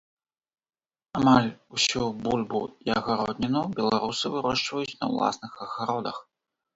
Амаль усю бульбу і агародніну беларусы вырошчваюць на ўласных агародах.